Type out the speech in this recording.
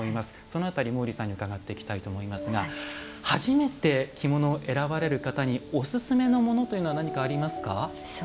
その辺り、毛利さんに伺っていきたいと思いますが初めて着物を選ばれる方におすすめのものというのは何かありますか？